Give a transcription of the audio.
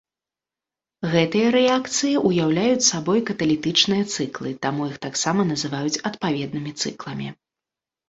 Гэтыя рэакцыі ўяўляюць сабой каталітычныя цыклы, таму іх таксама называюць адпаведнымі цыкламі.